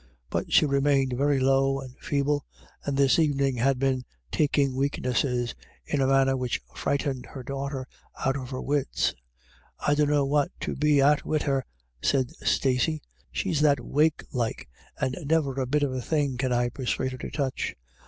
But she remained very low and feeble, and this evening had been " taking wakenesses "in a man ner which frightened her daughter out of her wits. "I dunno what to be at wid her," said Stacey, " she's that wake like, and never a bit of a thing can I persuade her to touch.